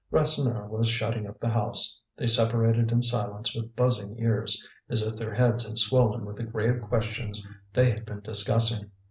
Rasseneur was shutting up the house. They separated in silence with buzzing ears, as if their heads had swollen with the grave questions they had been discussing.